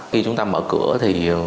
khi chúng ta mở cửa thì